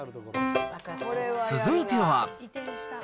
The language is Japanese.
続いては。